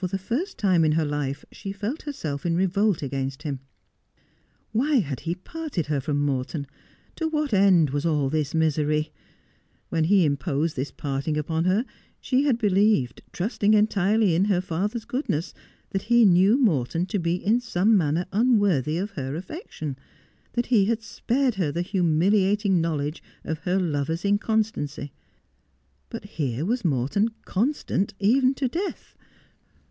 For the first time in her life she felt herself in revolt against him. Why had he parted her from Morton ? To what end was all this misery ? When he imposed this parting upon her she had believed, trusting entirely in her father's goodness, that he knew Morton to be in some manner unworthy of her affection — that he had spared her the humiliating knowledge of her lover's inconstancy. But here was Morton constant even to death.